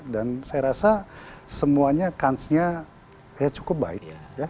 dan saya rasa semuanya kansnya cukup baik